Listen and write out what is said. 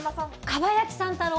かば焼きさん太郎？